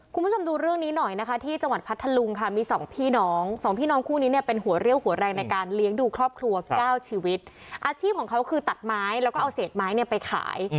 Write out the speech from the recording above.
คุณผู้ชมดูเรื่องนี้หน่อยนะคะที่จังหวัดพัทธลุงค่ะมีสองพี่น้องสองพี่น้องคู่นี้เนี่ยเป็นหัวเรี่ยวหัวแรงในการเลี้ยงดูครอบครัวเก้าชีวิตอาชีพของเขาคือตัดไม้แล้วก็เอาเศษไม้เนี่ยไปขาย